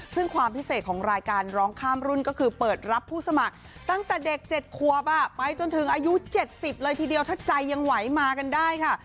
ซึ่งความพิเศษของรายการร้องข้ามรุ่นก็คือเปิดรับผู้สมัครตั้งแต่เด็ก๗ควบไปจนถึงอายุ๗๐เลยทีเดียวถ้าใจยังไหวมากันได้ค่ะ